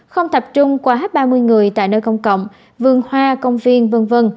không tập trung quá ba mươi người tại nơi công cộng vườn hoa công viên v v